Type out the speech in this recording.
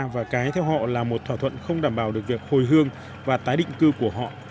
và cái theo họ là một thỏa thuận không đảm bảo được việc hồi hương và tái định cư của họ